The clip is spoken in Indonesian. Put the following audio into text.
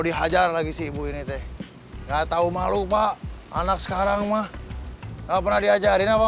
dihajar lagi si ibu ini teh nggak tahu malu pak anak sekarang mah pernah diajarin apa